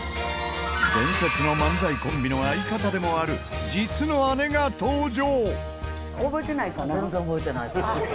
伝説の漫才コンビの相方でもある実の姉が登場！